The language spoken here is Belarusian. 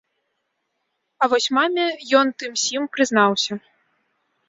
А вось маме ён тым-сім прызнаўся.